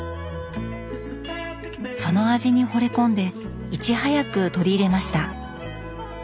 その味にほれ込んでいち早く取り入れました。